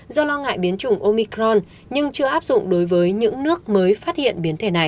do lo ngại biến chủng omicron nhưng chưa áp dụng đối với những nước mới phát hiện biến thể này